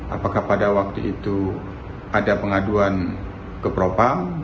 apakah pada waktu itu ada pengaduan ke propam